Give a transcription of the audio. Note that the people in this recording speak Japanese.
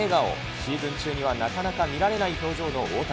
シーズン中にはなかなか見られない表情の大谷。